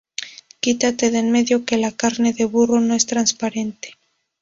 Quítate de en medio que la carne de burro no es transparente